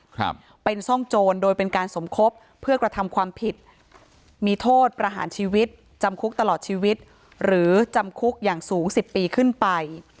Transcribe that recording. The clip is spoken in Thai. ครับเป็นซ่องโจรโดยเป็นการสมคบเพื่อกระทำความผิดมีโทษประหารชีวิตจำคุกตลอดชีวิตหรือจำคุกอย่างสูงสิบปีขึ้นไป